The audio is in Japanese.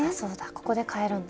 ここでかえるんだ。